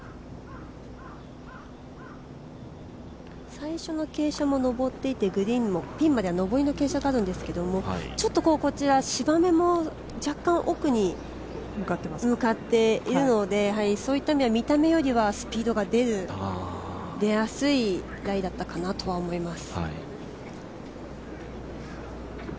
最初の傾斜も上ってて、グリーンもピンまで上りの傾斜があるんですけどちょっとこちら、芝目も若干奥に向かっているのでそういった意味では見た目よりはスピードが出やすいライだったかなとは思います。